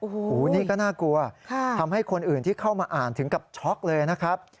โอ้โหนี่ก็น่ากลัวทำให้คนอื่นที่เข้ามาอ่านถึงกับช็อกเลยนะครับ